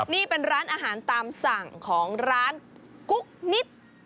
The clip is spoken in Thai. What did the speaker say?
นี่เป็นร้านอาหารตามสั่งของร้านกุ๊กนิด